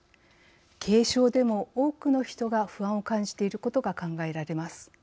軽症でも多くの人が不安を感じていることが考えられます。